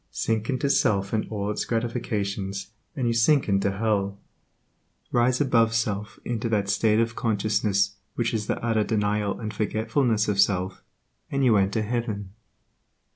Sink into self and all its gratifications, and you sink into hell; rise above self into that state of consciousness which is the utter denial and forgetfulness of self, and you enter heaven.